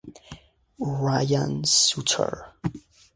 Ryan Suter